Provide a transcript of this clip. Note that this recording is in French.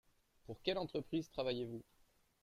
Pour quelle entreprise travaillez-vous ?